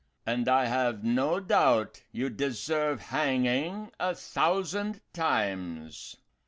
"And I have no doubt you deserve hanging a thousand times."